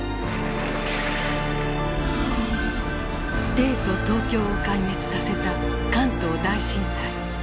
帝都東京を壊滅させた関東大震災。